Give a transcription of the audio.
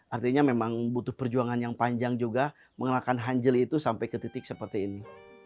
artinya memang butuh perjuangan yang panjang juga mengenakan hanjeli itu sampai ke titik seperti ini